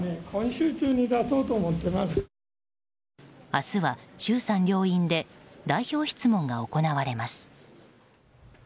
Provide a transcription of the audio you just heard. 明日は衆参両院で代表質問が行われます。